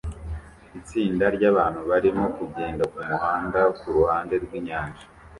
Itsinda ryabantu barimo kugenda kumuhanda kuruhande rwinyanja